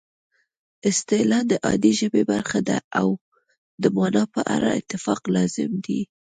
اصطلاح د عادي ژبې برخه ده او د مانا په اړه اتفاق لازم دی